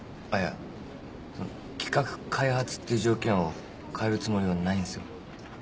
あっいやその企画開発っていう条件を変えるつもりはないんすよ。